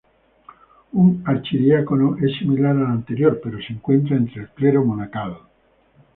Un "archidiácono" es similar al anterior, pero se encuentra entre el clero monacal.